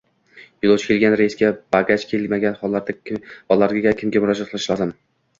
Yo‘lovchi kelgan reysda bagaj kelmagan hollarda kimga murojaat qilish lozim?